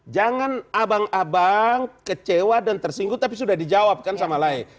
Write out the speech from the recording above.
jangan abang abang kecewa dan tersinggung tapi sudah dijawabkan sama lain